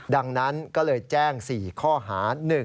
ดังนั้นก็เลยแจ้ง๔ข้อหา